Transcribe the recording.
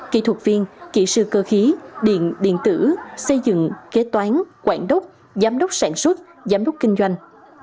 kỹ thuật viên kỹ sư cơ khí điện điện tử xây dựng kế toán quản đốc giám đốc sản xuất giám đốc kinh doanh